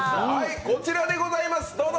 こちらでございます、どうぞ！！